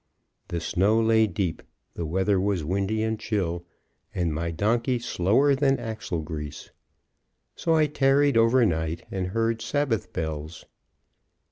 The snow lay deep, the weather was windy and chill, and my donkey slower than axle grease; so I tarried over night and heard Sabbath bells.